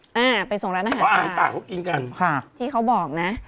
อ่าไปส่งร้านอาหารเพราะอาหารป่าเขากินกันค่ะที่เขาบอกนะ